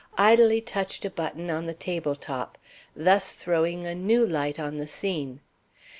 idly touched a button on the table top, thus throwing a new light on the scene.